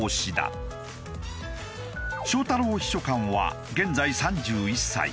翔太郎秘書官は現在３１歳。